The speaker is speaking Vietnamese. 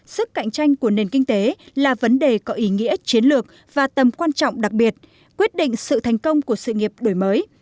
sức cạnh tranh của nền kinh tế là vấn đề có ý nghĩa chiến lược và tầm quan trọng đặc biệt quyết định sự thành công của sự nghiệp đổi mới